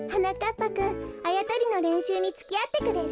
ぱくんあやとりのれんしゅうにつきあってくれる？